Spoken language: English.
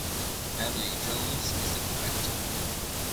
Emily Jones is the director.